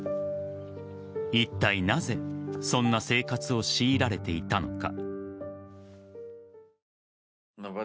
いったいなぜ、そんな生活を強いられていたのか。